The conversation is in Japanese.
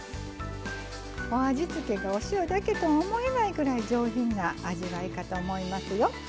お味付けがお塩だけとは思えないぐらい上品な味わいかと思いますよ。